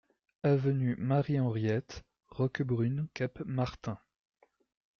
Avenue Marie Henriette, Roquebrune-Cap-Martin